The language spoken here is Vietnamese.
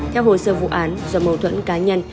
theo hồ sơ vụ án do mâu thuẫn cá nhân